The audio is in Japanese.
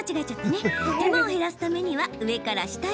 手間を減らすためには上から下へ。